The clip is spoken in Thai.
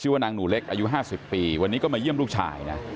ชิ้ววนังหนูเล็กอายุห้าสิบปีวันนี้ก็มาเยี่ยมลูกชาย